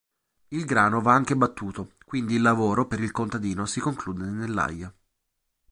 Il grano va anche battuto, quindi il lavoro per il contadino si conclude nell'aia.